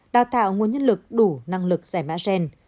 đào tạo nguồn nhân lực đủ năng lực giải mã gen